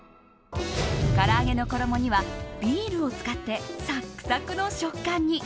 から揚げの衣にはビールを使ってサクサクの食感に。